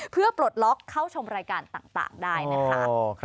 เพื่อปลดล็อกเข้าชมรายการต่างได้นะคะ